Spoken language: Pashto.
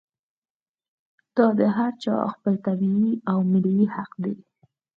دا د هر چا خپل طبعي او ملي حق دی.